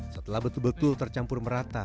setelah betul betul tercampur merata